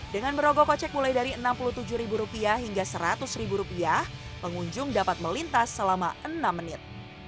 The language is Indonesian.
dengan berogok kocek mulai dari enam puluh tujuh rupiah hingga seratus rupiah pengunjung dapat melintas selama enam menit